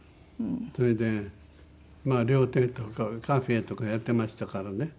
それで料亭とかカフェーとかやってましたからね。